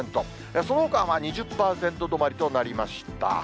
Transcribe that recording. そのほかは２０％止まりとなりました。